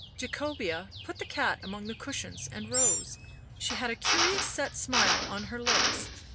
Jacobea put the cat among the cushions and rose ; she had a curious set smile on her lips.